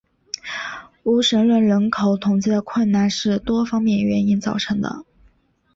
无神论人口统计的困难是多方面原因造成的。